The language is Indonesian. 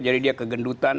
jadi dia kegendutan